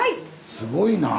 すごいなあ。